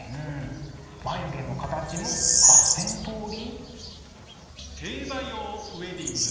眉毛の形も８，０００通り？